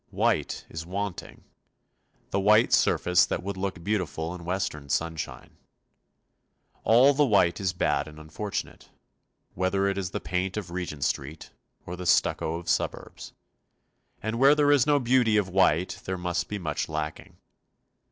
White is wanting the white surface that would look beautiful in western sunshine. All the white is bad and unfortunate, whether it is the paint of Regent Street or the stucco of suburbs; and where there is no beauty of white there must be much lacking.